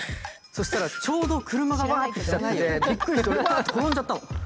そしたら、ちょうど車がわって来ちゃっててびっくりして俺、わって転んじゃったの。